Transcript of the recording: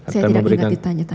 saya tidak ingat ditanyai